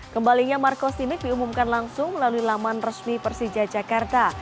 kembalinya marco simic diumumkan langsung melalui laman resmi persija jakarta